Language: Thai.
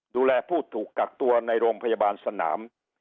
ดูแลผู้ถูกกักตัวในโรงพยาบาลสนาม